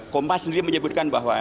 kompas sendiri menyebutkan bahwa